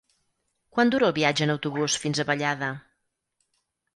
Quant dura el viatge en autobús fins a Vallada?